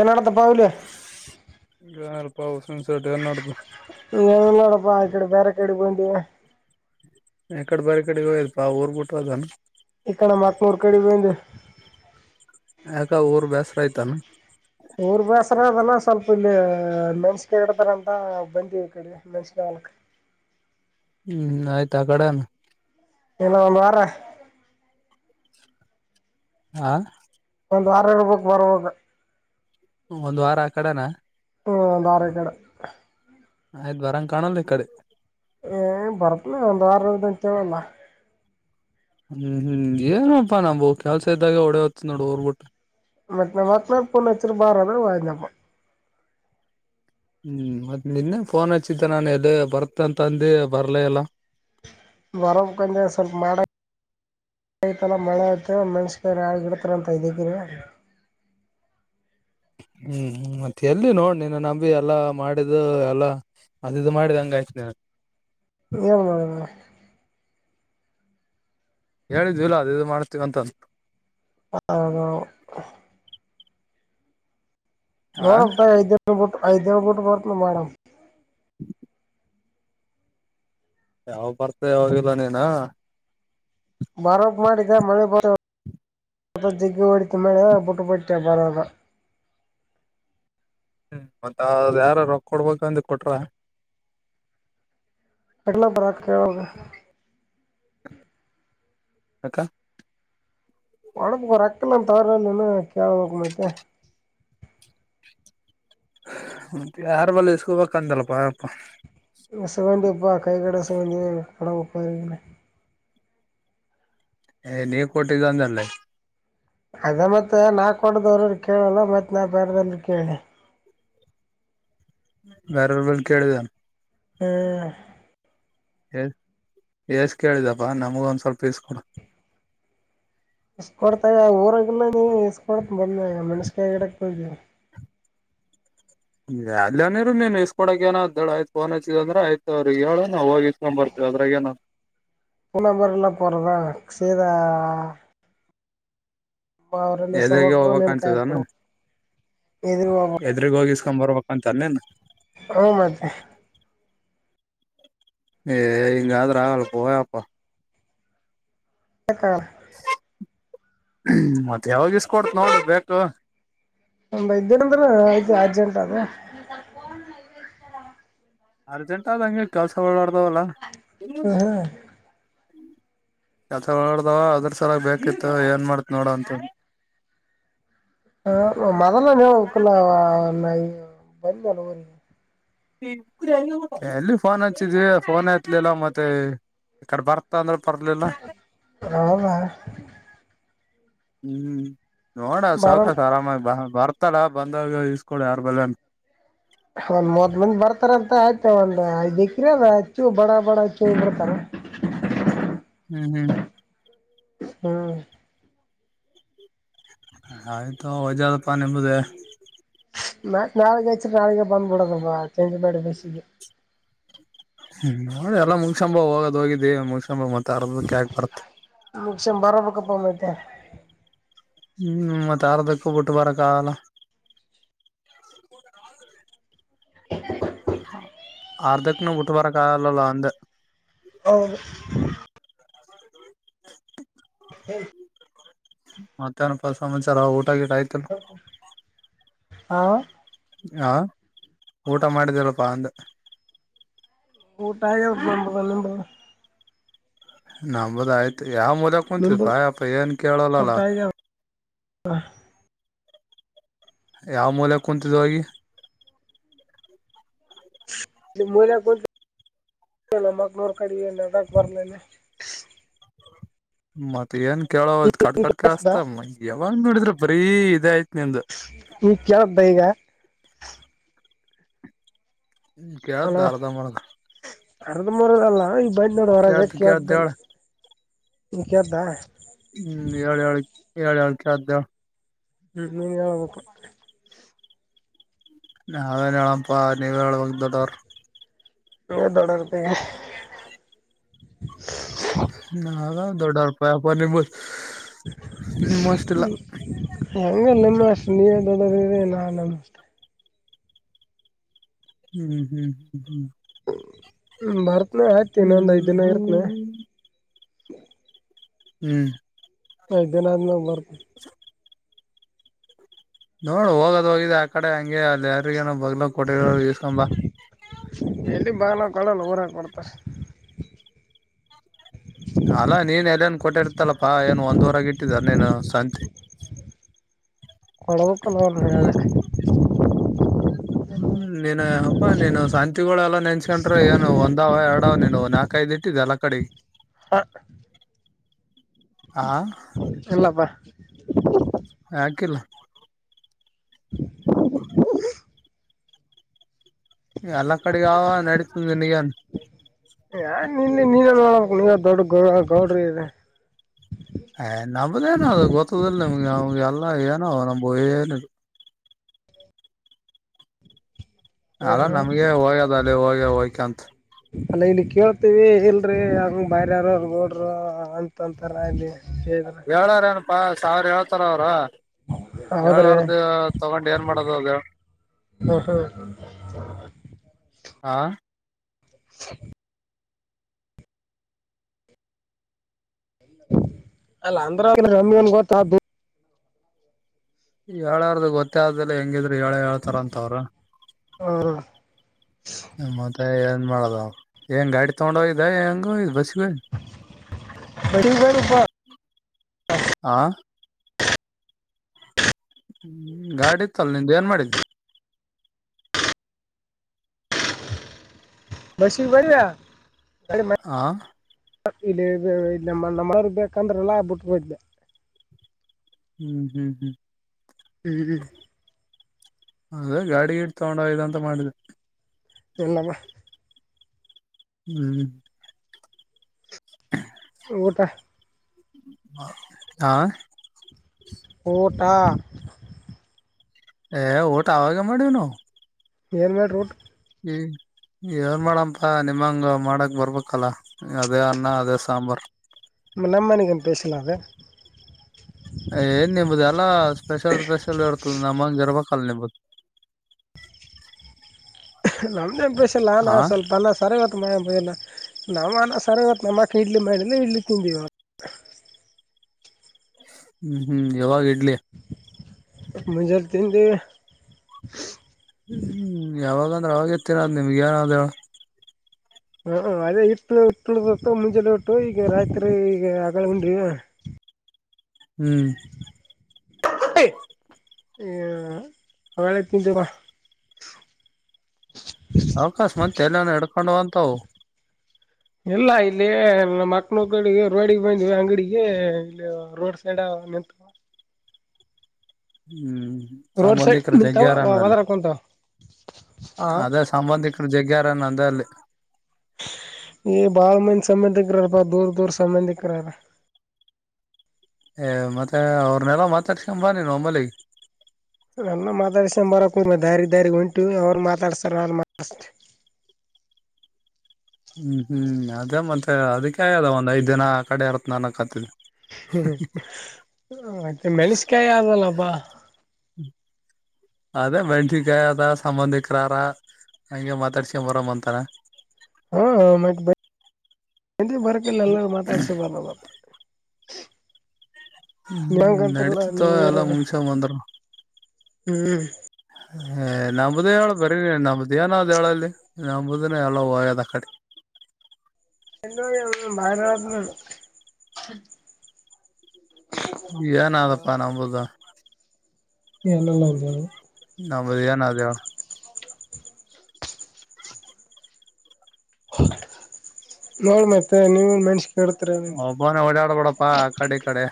ಏನಾಡದಪ್ಪ ಇಲ್ಲಿ [unintelligible] ನೀಲ್ಲೋಡಪ್ಪಾ ಕಡೆ ಬೇರೆ ಕಡೆಬೊಂಡಿಯ. ಕಡೆ ಬಾರಿ ಕಡೆಗ ಹೋಯಲ್ಪಾ ಊರ್ ಬಿಟ್ಟ ಅದಾನ. ಈ ಕಡೆ ಮಕ್ನೂರ್ ಕಡಿಗಂದು. ಯಾಕ ಊರ್ ಬೇಸರ ಆಯ್ತಾನ. ಊರ್ ಬೇಸರ ಅದನ ಸ್ವಲ್ಪ ಇಲ್ಲಿ ಮೆಣಸಕ ಇಡ್ತಾರಂತ ಬಂದಿವವಿ ಈ ಕಡೆ ಮೆಣಸಿನ. ಹ. ಹ್ಮ್ ಆಯ್ತು ಆ ಕಡೆಾನ. ಏನ ಒಂದು ವಾರ. ಹ. ಒಂದು ವಾರ ಇರ್ಬೇಕು ಬರ್ಬೇಕು. ಒಂದ್ ವಾರ ಆ ಕಡೆನಾ. ದಧಾರಗಢ. ಆಯ್ತ್ ಬರಂಗ ಕಾಣಲ್ಲ ಈ ಕಡೆ ಾರದಂತ ಹೇಳಲ್ಲ. ಹ್ಮ್ ಹ್ಮ್ ಏನಪ್ಪಾ ನಾ ಕೆಲ್ಸ ಇದ್ದಾಗ ಡೆ ಹೊತ್ತ ನೋಡು ೋಗರ್ಬಿಟ್ರೆ. ಮತ್ತ ಮನಾ ಪನತ್ತ ಬಾರ ವಪ್ಪ. ಹ್ಮ್ ಮ ನಿನ್ನೆ ಫೋನ್ ಹಚ್ಚಿದ್ದೆ ನನ್ು ಎದ ಬರ್ತ ಅಂತ ಅಂದ ಬರ್ಲ ಎಲ್ಲ. ಬರವಕಂದ ಸ್ವಲ್ಪ ಮಾಡಡ. ತಲ್ಲ ಮಳೆ ಆ್ತ ಮೆಣಸಕ ಹಾಗಿಡತಾರೆಂತ ಇದಕ್ಕಿ. ಹ್ಮ್ ಮತ್ತೆ ಎಲ್ಲಿ ನೋಡ್ ನೀನ್ ನಂಬಿ ಎಲ್ಲಾ ಮಾಡಿದ್ದು ಎಲ್ಲಾ. ಅದ ಇದು ಮಾಡ್ ಹಂಗ ಆಯ್ತನ. ಹು. ಹೇಳಿದ್ವಿ ಇಲ್ಲ ಅದ ಇದು ಮಾಡ್ತೀವಂತಂತ. ಹೌದ. ಆ ನೋಡಕ್ ಐದ ಬಿ ಐದ್ಿನ ಬಿಟ್ಟ ಬರ್ತ ಮಾಡ. ಯಾವಾಗ ಬರ್ತ ಯಾವವಾಗಿಲ್ಲ ನೀನ. ಬಾರೋಬ್ ಮಾಡಿದ ಮಳೆ ಬ. ಮದ ಜಿಗ್ಗಿ ಹೊಡಿತು ಮಳಿದ ಬುಟ್ಟು ಬಟ್ಟೆ ಬರದ. ಹ್ಮ್ ಮತ್ತ ಯಾರ ರೊಕ್ಕ ಕೊಡ್ಬೇಕ ಅಂದು ಕೊಟ್ರ. ಅಗಲ ಬರಾಕ್ಕೆೋಗ. ಹಕ. ಒಡಪುಕ್ಕ ರೊಕ್ಕಲ್ಲ ತವರಲ್ಲ ಕೇೇಳಬೇಕು ಮತ್ತ. ಮ ಯಾರ ಬಲ್ಲ ಇಸ್ಕೋಬೇಕಂತಲ್ಲಪ್ಪಪ. ಸಿಗೊಂಡಿಪ್ಪಾ ಕೈಗಡೆ ಸಿವಂದಿ ಕಡಂಬಪ್ಪಾರ. ಏ ನೀ ಕೋಟಿದ್ ಅಂದೆಲ್ಲೆ. ಅದ ಮತ್ತ ನಾ ಕೊಡದವ್ರ ಕೇಳಲ್ಲ ಮತ್ ನಾ ಬೇಾರದಲ್ ಕೇಳಿ. ಬೇರ್ರ ಬಲ್ಲಿ ಕೇಳಿದನ್. ಹ್ಮ್. ಎಸ್ ಎಷ್ಟ ಕೇಳಿದಪ್ಪಾ ನಮಗ ಒಂದ ಸ್ವಲ್ಪ ಇಸ್ ಕೊಡ. ಇಸ್ಕೊಡ್ತಾಗ ಊರಾಗಲ್ಲ ನೀ ಇಸ್ಕೊಡ್ತ ಬಂದಾಗ ಮಣಸಿಗೆ ಗಿಡಕ್ ಹೋಗ ಅಲ್ಲನಿರು ನೀನ್ ಇಸ್ಕೊಡಕ ಏನಾದ್ ಆಯ್ತ್ ಫೋನ್ ಹಚ್ಚಿದಂದ್ರ ಆಯ್ತ್ ಅವ್ರ ಹೇಳು ನನ್ ಹೋಗಿ ಇಸ್ಕೊಂಡ್ ಬರ್ತವಿ ಅದ್ರಗೇನು [unintelligible] ಸೀದಾ ಅವರಲ್ಲಿ ಎದ್ರಗ ಸೊಬಕು ನಿನ್ ಕೈ ಹೋಗ್ಕ್ಂತದಾನ ಕೊಡು ಇದ್ರ ಹೋಗ್ಬೇಕು ಎದ್ರಗ್ ಹೋಗಿ [unintelligible] ಬರ್ಬೇಕ ಅಂತ ಅಲ್ಲೇನ್ ಹೂ ಮತ್ತೆ ಹೇ ಇಂಗಾದರ ಆಗಲ್ಲ ಹೋಗ್ಯಾಪ್ಪ [unintelligible] ಮತ್ತ ಯಾವಾಗ ಇಸ್ಕೊಡ್ತೀಯ ನೋಡ್ ಬೇಕು ಒಂದು ಐದು ದಿನ ಅಂದ್ರ ಆಯ್ತು ಅರ್ಜೆಂಟ್ ಅದ ಅರ್ಜೆಂಟ್ ಆದಂಗೆ ಕೆಲ್ಸ ಓಡ್ದಾವಲ್ಲ ಹ್ಮ್ ಕೆಲ್ಸಗಳು ನಡ್ದಾವ ಅದ್ರ ಸಲ ಬೇಕಿತ್ತು ಏನ್ ಮಾಡಾತ್ ನೋಡ ಅಂತ [unintelligible] ಎಲ್ಲಿ ಫೋನ್ ಹಚ್ಚಿದ್ವಿ ಫೋನ್ ಎತಲಿಲ್ಲ ಮತ್ತೆ ಈ ಕಡೆ ಬರ್ತ ಅಂದ್ರ ಬರ್ಲಿಲ್ಲ ಹೌದ ಹ್ಮ್ ನೋಡ ಬರನ್ ಸೌಕಾಸ ಆರಾಮಾಗಿ ಬರ್ತ [unintelligible] ಬಂದಾಗ ಇಸ್ಕೊಳ ಯಾರ ಬಳಿ ಅದ್ರ ಒಂದ್ ಮೂವತ್ ಮಂದಿ ಬರ್ತಾರ ಅಂತ ಆಯ್ತ ಒಂದ್ ಐದ್ಕ್ರ ಅದ ಹೆಚ್ಚು ಬಡ ಬಡ ಹಚ್ಚು ಬಿರ್ತಾರ [inaudible] ಹ್ಮ್ ಹ್ಮ್ ಹ್ಮ್ ಆಯ್ತು ತಗೋ [unintelligible] ನಾಳೆಗೆ ಹೆಚ್ಚ ನಾಳಿಗೆ ಬಂದ್ಬಿಡದ [unintelligible] ಮಾಡೇಡಿ [unintelligible] ಹ್ಮ್ ನೋಡಿ ಎಲ್ಲ ಮುಂಗಸಂಬ ಹೋಗೋದ ಹೋಗಿ ದೇವ ಮುಂಗಸಂಬ ಮತ್ತ ಅರ್ದಕ್ಕೆಯಾಕ ಬರ್ತ್ತ ಮುಗಸನ್ [unintelligible] ಅರ್ಥದಕ್ಕು ಬಿಟ್ಟು ಬರಕ್ಕಲ್ಲ [unintelligible] ಅರ್ಧಕ್ನ ಬಿಟ್ಟು ಬರಕಲ್ಲ ಅಂದೇ [unintelligible] [unintelligible] ಮತ್ತೆನಪ್ಪ ಸಮಾಚಾರ ಊಟ ಗಿಟ ಆಯ್ತಲ್ಲ ಹಾ ಹಾ ಊಟ ಮಾಡಿದಿಲ್ಲಪ್ಪಾ ಅಂದೇ ಊಟ ಆಗ್ಯಾವಪ್ಪ ನಮ್ದು ನಿಮ್ದು ನಮ್ದು ಆಯ್ತು ಯಾವ ಮೂಲೆಯಾಗೇ ನಿಂಬದು ಕುಂಡಿದಿಪ್ಪಾ ಏನ್ ಕೇಳಲ್ಲಲ್ಲ ಹಾ ಯಾವ ಮೂಲೆಗೆ ಕುಂತಿದೀಯ ಹೋಗಿ [unintelligible] [unintelligible] ಕಡೆ ಏ ನಡಕ್ ಬರ್ಲೇನೆ ಮತ್ತ ಏನ್ ಕೇಳೋ ಕಟ್ ಕಟ್ ಕೇಳಸ್ದ ಕೆಲ್ಸುತ್ತೆ ಯಾವಾಗ ನೋಡಿದ್ರು ಬರೀ ಇದೇ ಆಯ್ತ್ ನಿಂದು [unintelligible] ಈಗ ಹ್ಮ್ ಕೇಳುತ್ತೆ ಅರ್ಧಬಾರ್ದ ಅರ್ದಬರ್ದಲ್ಲ ಈ ಬಂದ್ ನೋಡ ಹೊರಗೆ ಕೇಳ್ತ ಕೇಳತಲ್ಲ ಹೇಳ [inaudible] ಈಗ ಕೇಳ್ತ ಹ್ಮ್ ಹೇಳ್ ಹೇಳು ಕೇಳುತ್ತೆ ಹೇಳು ಹ್ಮ್ ನೀನ್ ಹೇಳ್ಬೇಕು ನಾವೇನ್ ಹೇಳಪ ನೀವೇ ಹೇಳಬೇಕು ನೀವು ದೊಡ್ಡೋರಪ್ಪ ಹೇಳಿ ನಾವು ದೊಡ್ಡರಪ್ಪ [unintelligible] ಹ್ಮ ಹಂಗಲ್ಲಮ್ಮ ಅಷ್ಟೆ ನೀವೇ ದೊಡ್ಡದ ನಾ ಅಷ್ಟೆ ಹ್ಮ್ ಹ್ಮ್ ಹ್ಮ್ ಹ್ಮ್ ಹ್ಮ ಬರ್ತ್ನ ಆಯ್ತ ಇನ ಒಂದ್ ಐದ್ ದಿನ ಇರ್ತ್ನ ಹ್ಮ್ ಐದು ದಿನ ಆದ್ಮಾಗ್ ಬರ್ತ ನೋಡು ಹೋಗೋದ್ ಹೋಗಿದೆ ಆ ಕಡೆ ಹಂಗೆ ಅಲ್ಲಿ ಯಾರಿಗೇನ ಬಲ ಕೊಟಿಗ ಇಸ್ಕೊಂಡ್ ಬಾ ಇ ಭಾ ನಾ ಕಡಲು ಹಊರ ಕೊಡ್ತಾರೆ ಅಲ್ಲಾ ನೀನ್ ಎಲ್ಲನ್ ಕೊಟ್ಟಿರ್ತಲ್ಲಪ್ಪಾ ಏನು ಒಂದವರಗೆ ಇಟ್ಟಿದಾರ ನೀನು ಸಂತಿ [unintelligible] ಹ್ಮ್ ನೀನ ಅಪ್ಪಾ ನೀನು ಶಾಂತಿಗಳೆಲ್ಲ ನೆನ್ಸ್ಕೊಂಡ್ರ ಏನು ಒಂದವ ಎರಡವ ನೀನು ನಾಕೈ ಇಟ್ಟಿದ್ದ ಎಲ್ಲ ಕಡೆ ಹಾ ಆ ಎಲ್ಲಪ್ಪಾ ಹಾಕಿಲ್ಲ [inaudible] ಎಲ್ಲ ಕಡೆಗ ಅವಾವ ನಡೀತನ್ಗನ್ ಯ ನಿ ನೀ ಮಾಡೋಬೇಕು ದೊಡ್ಡ ಗೌ ಗೌಡ್ರಿ ಇದೆ ಹ ನಂಬದೇನ ಅದು ಗೊತ್ತದಿಲ್ಲ ನಿಮ್ಗೆ ಅವಗೆ ಎಲ್ಲ ಏನೋ ನಮ ಏನ ಅಲ್ಲ ನಮ್ಗೆ ಹೋಗ್ಯದ ಅಲ್ಲಿ ಹೋಗ್ಯ ಹೋಗ್ಕಂತ ಅಲ್ಲ ಇಲ್ಲಿ ಕೇಳ್ತೀವಿ ಇಲ್ರಿ ಅಂಗ ಬರ ಯಾರಗೋಡರು ಅಂತಂತರ ಇದವಿ ಹೇಳಏರೇನಪ್ಪಾ ಸಾವಿರ ಏಳ್ತ್ತಾರ ಅವ್ರ ಹೌದ್ರಿ ಏಳ್ರ್ ತಗೊಂಡು ಏನ್ ಮಾಡದು ಅದು ಹಾ ಹಾ ಹಾ [inaudible] ಅಲ್ಲ ಅಂದ್ರನ್ ಗೊತ್ತ ಯಏಳಾರ್ದು ಗೊತ್ತೇ ಹೆಂಗಿದ್ರರು ಹೇಳ ಹೇಳ್ತಾರ ಅಂತ ಅವ್ರ ಆ, ಮತ್ತೆ ಮಾಡೋದ ಹೆಂಗ ಗಾಡಿ ತಗೊಂಡ ಹೋಗಿದ್ದ ಹೆಂಗ ಬಸ್ ಬಡಿ [unintelligible] ಆ ಹ್ಮ್ ಗಾಡಿ ಇತ್ತಲ್ಲ ನಿದ ಏನ್ ಮಾಡಿದ ಬಸ್ಸಿಗೆ [unintelligible] ಆ ಇಲ್ಲಿ ಇ ನಮ್ಮ ಮರ್ ಬೇಕಂದ್ರೆಲ್ಲಾ ಬಿಟ್ಟದೆ ಹ್ಮ್ ಹ್ಮ್ ಹ್ಮ್ ಹ್ಮ್ ಹ್ಮ ಅದ ಗಾಡಿ ಗಿಡ್ ತಗೊಂಡ ಹೋಗಂತ ಮಾಡಿದೆ [unintelligible] ಹ್ಮ್ ಹ್ಮ ಊಟ ಆ ಊಟ ಹೇ ಊಟ ಅವಾಗ ಮಾಡಿನು ಏನ್ ಮಾಡಿದ್ರಿ ಊಟಕ್ಕ ಹ್ಮ ಏನ್ ಮಾಡಪ್ಪ ನಿಮ್ಮಂಗೆ ಮಾಡಕ್ ಬರ್ಬೇಕಲ್ಲ ಅದೇ ಅನ್ನ ಅದೇ ಸಾಂಬಾರು ನ ನಂಬನಿಕನ್ಲಾವ ಏನ್ ನಿಮ್ದು ಎಲ್ಲಾ ಸ್ಪೆಷಲ್ ಸ್ಪೆಷಲ್ ಇರ್ತದ ನಮ್ಮಂಗ ಇರ್ಬ ಕಲ್ಬ ನಮ್ದೇನ್ ಪ್ರಷ ಇಲ್ಲ ನಾ ಸ್ವಲ್ಪ ನ ಸರಿವ ಯಲ್ಲ ನಮ್ಮ ಅನ ಸರಿಗತ್ತು ನಮ್ಮಕ ಇಡ್ಲಿ ಮಾಡಿಲ್ಲ ಇಡ್ಲಿ ತಿಂದಿವವ ಹ್ಮ್ ಹ್ಮ್ ಯಾವಾಗ ಇಡ್ಲಿ ಮಜರು ತಿ ಇದು ಹ್ಮ್ ಯಾವಾಗಂದ್ರೆ ಅವಾಗ ಎತ್ತೀರದು ನಿಮ್ಗೆ ಏನಾದ ಹಾ ಅದೇ ಹಟ್ಲು ಹಟ್ಳತ್ತು ಮುಂಜಾನೆ ಉಟ್ಟು ಈಗ ರಾತ್ರಿ ಈಗ ಹಗಳ ಉಂಡ್ರಿ ಹ್ಮ್ ಹ ಅವೇಳ ತಿಂತವಾ ಅವಕಾಶ ಮತ್ ಎಲ್ಲಾನ ಹಡ್ಕೊಂಡಂತವು ಇಲ್ಲ ಇಲ್ಲಿ ನ ಮಕ್ನ ರೋಡಿಗೆ ಬಂದ್ವಿ ಅಂಗಡಿಗೆ ಇಲ್ಲಿ ರೋಡ್ ಸೈಡ್ ನಿಂತ [inaudible] ಹ್ಮ್ ರೋಡ್ ಸೈಡ್ ಸಂಬಂಧಿಕರ ನಿಂತಾವ ಜಗ್ರನಲ್ಲ ಒದರಾಕ್ ಕುಂತಾವ ಆ ಅದೇ ಸಂಬಂಧಿಕರು ಜಗ್ಗ್ಯಾರ ನಂದ ಅಲ್ಲಿ ಏ ಬಾಳ ಮಂದ ಸಂಬಂಧಿಕ್ರಾರಪ್ಪ ದೂರ ದೂರ ಸಂಬಂಧಿಕ್ರಾರ ಏ ಮತ್ತೆ ಅವ್ರನೆಲ್ಲ ಮಾತಾಡ್ಕೊಂಬಾನಿ ನ ಆಮೇಲಿ ನನ್ನ ಮಾತಾಡ್ಸ ಬರಕ ದಾರಿ ದಾರಿ ಉಂಟು ಅವ್ರ ಮಾತಾಡ್ತಾರ ನಾನ ಮಾತಾಸ್ ಹ ಹ್ಮ್ ಹ್ಮ್ ಅದೇ ಮತ್ತೆ ಅದಕ್ಕೆ ಆದ ಒಂದ್ ಐದ್ ದಿನ ಕಡೆ ಇರತ್ ನನ ಕತಿದ ಹ್ಮ್ ಮೆಣಷಕಾಯ ಆದಲ್ಲಪ್ಪಾ ಹ್ಮ್ ಅದೇ ಬೆಂಟಿಕಾಯ ಅದ ಸಂಬಂಧಿಕರಾರ ಹಂಗೆ ಮಾತಾಡ್ಸಂಬರಮ್ಮ ಅಂತಾರ ಎಲ್ಲಿ ಬರಕಿಲ್ಲ ಎಲ್ಲ ಮಾತಾಡ್ಸೋ ಬರಮ್ಮಾಪ ಹ್ಮ್ ನಂಗಂತರಲ್ಲ ನಡತಿತ್ತು ನೀವನ ಎಲ್ಲಾ ಮುಗಸ್ಕೊಂಡ್ ಹ್ಮ್. ಏ ನಮ್ದೇ ಹೇಳ ಬರ ನಮ್ದ ಏನ್ದ ಹೇಳಲ್ಲಿ ನಂಬದನ ಎಲ್ಲ ಒಯದ ಕಡೆ ಎ ಭಾರತ್ ಏನ್ಪ್ಪಾ ನಂಬಬೋದ ಏನಿಲ್ಲ ಅಂದು ನಾಮ್ಮದಿಯಾನ ಅದೇ ಹ ನೋಡ್ ಮತ್ತೆ ನೀವನ್ ಮಸ ಒಬ್ಬಾನ ಓಡಾಡ್ಬೋಡಪ್ಪಾ ಕಡೆ ಕಡೆ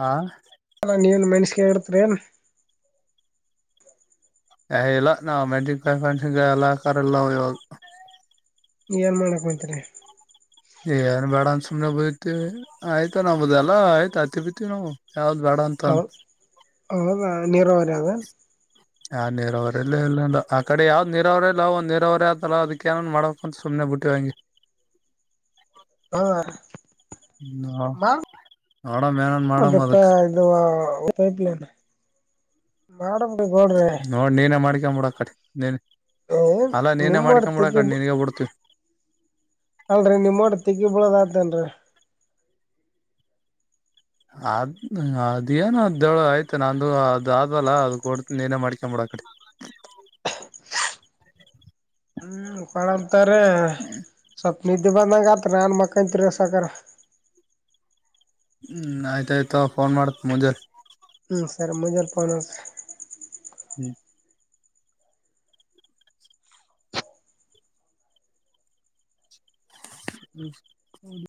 ಹಾ ನೀನ್ ಮೆನ್ಸಿಗೆಗರ್ತರಿ ಏ ನ್ ಹ ಇಲ್ಲ ನಾವವು ಮೆಂಟಿಫನ್ಸ ಎಲ್ಲ ಕಲ್ಲ ಇವಾಗ ಏನ್ ಮಾಡಕ್ತರಿ ಏನ್ ಬೇಡ ಅಂದ ಸುಮ್ನೆ ಬಯತಿ ಆಯ್ತಾ ನಾವದಲ್ಲಾ ಆಯ್ತ ಆತ್ತ ಬಿತಿವಿ ನಾವು ಯಾವ್ದ್ ಬೇಡ ಅಂತ ಹ ಅಂತ ಹೌದಾ ನೀರ ವರ ಅದ ಆ ನೀರಾವರಿಲ್ಲ ಇಲ್ಲ ಆ ಕಡೆ ಯಾವ್ದ್ ನೀರಾವರಿ ಇಲ್ಲ ಒಂದ ನೀರಾವರಿ ಆತಲ್ಲ ಅದಕ್ಕೇನನ್ ಮಾಡಕ್ಂತ ಸುಮ್ಮನೆ ಬಿಟ್ಟ ತಂಗಿ ಹ ಮಾ ನೋಡಮ್ ಏನನ್ ಮತ್ತೆ ಮಾಡಮ್ ಅದಕ್ ಇಪ್ನ್ ಮಾಡ ನೋಡ್ ನೀನ ಮಾಡ್ಕೊಂಡ್ ಬಿಡು ಆ ಕಡೆ ನೀನ್ ಏ ಅಲ್ಲಾ ನೀನೇ ನಿಮ್ಮೋಡ ಮಾಡ್ಕೊಬಡ ತೆಗಿ ಕಣ ನೀನಗ ಬಿಡ್ತವಿ ಅಲ್ರರಿ ನಿಮ್ಮೋಡ ತಿಗಿ ಬಿಳೋದ ಆತೇನ್ರರಿ ಅದ್ ಅದೇಏನ ಅ ಆಯ್ತು ನಂದು ಅದ್ ಅಲ್ಲ ಅದ ಕೊಡ್ತ ಏನೇ ಮಾಡ್ಕೊಂಡಂಬ ಹ ಹ್ಮ್ ಕಳಂತಾರ ಸ ನಿದ್ದೆ ಬಂದಂಗತ್ರ ನಾನನ್ ಮಕ್ಕಂತ ತಿರಸಕರ ಹ್ಮ್ ಆಯ್ತಾಯಯ್ತ ಫೋನ್ ಮಾಡ್ತ್ ಮುಂಜೆ ಹ್ಮ್ ಸರ್ ಮಂಜಾಲು ಪನ ಸ ಹ್ಮ್ ಹ್ಮ ಹೌದು